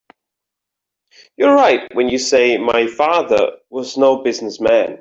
You're right when you say my father was no business man.